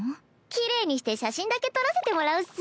きれいにして写真だけ撮らせてもらうっス。